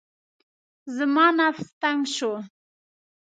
زما نفس تنګ شو.